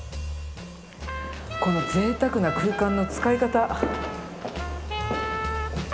このぜいたくな空間の使い方。